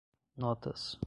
notas